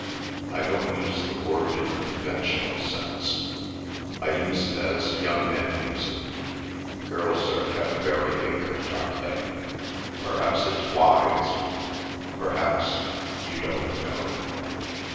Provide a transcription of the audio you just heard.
I don't use the word in a conventional sense. I use it as young men use it. Girls are kept very ignorant, aren't they? Perhaps it's wise—perhaps—You don't know?"